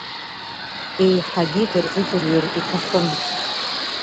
Еиҳагьы дырзыӡырҩыр иҭахын.